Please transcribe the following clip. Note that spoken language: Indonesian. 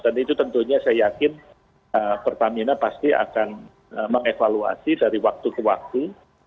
dan itu tentunya saya yakin pertamina pasti akan mengevaluasi dari waktu ke waktu